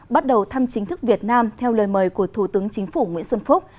bắt đầu thăm chính thức việt nam theo lời mời của thủ tướng chính phủ nguyễn xuân phúc